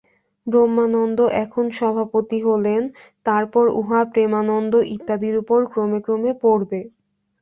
ব্রহ্মানন্দ এখন সভাপতি হলেন, তারপর উহা প্রেমানন্দ ইত্যাদির উপর ক্রমে ক্রমে পড়বে।